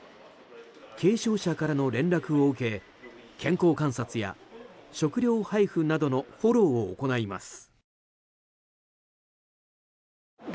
軽症者からの連絡を受け健康観察や食料配布などのフォローを行います。